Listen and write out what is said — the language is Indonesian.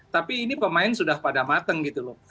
tapi ini pemain sudah pada mateng gitu loh